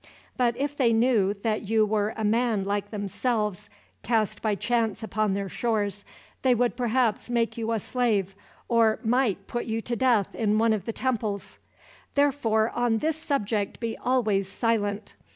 But if they knew that you were a man like themselves, cast by chance upon their shores, they would perhaps make you a slave, or might put you to death in one of the temples. Therefore, on this subject be always silent.